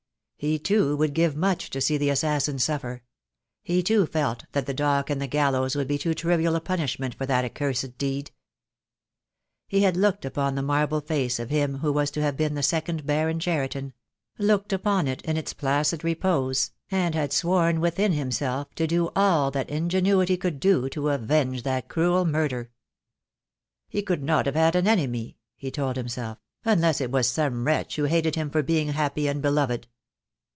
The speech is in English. He too would give much to see the assassin suffer; he too felt that the dock and the gallows would be too trivial a punishment for that accursed deed. He had looked upon the marble face of him who THE DAY WILL COME. I I 5 was to have been the second Baron Cheriton — looked upon it in its placid repose, and had sworn within himself to do all that ingenuity could do to avenge that cruel murder. "He could not have had an enemy," he told himself, "unless it was some wretch who hated him for being happy and beloved."